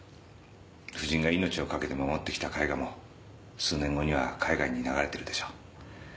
夫人が命を懸けて守ってきた絵画も数年後には海外に流れてるでしょう。